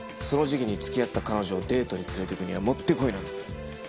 その時期に付き合った彼女をデートに連れて行くにはもってこいなんです。